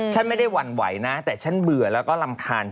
ฉันไม่ได้หวั่นไหวนะแต่ฉันเบื่อแล้วก็รำคาญ